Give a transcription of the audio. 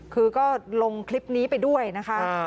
คือก็ลงคลิปนี้ไปด้วยนะคะ